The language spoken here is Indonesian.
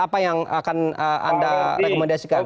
apa yang akan anda rekomendasikan